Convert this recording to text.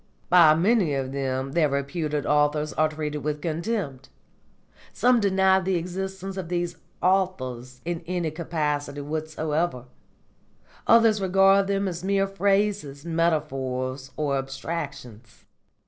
By many of them their reputed authors are treated with contempt; some deny the existence of these 'authors' in any capacity whatsoever; others regard them as mere phrases, metaphors, or abstractions.